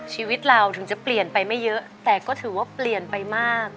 ชีวิตเราถึงจะเปลี่ยนไปไม่เยอะแต่ก็ถือว่าเปลี่ยนไปมาก